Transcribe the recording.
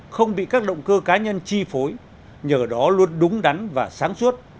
không bị các động cơ cá nhân chi phối nhờ đó luôn đúng đắn và sáng suốt